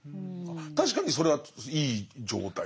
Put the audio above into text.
確かにそれはいい状態。